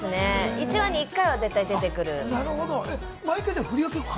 １話に１回は出てくる。